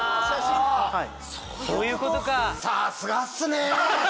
そういうことか！